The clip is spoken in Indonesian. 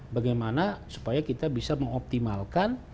bagaimana supaya kita bisa mengoptimalkan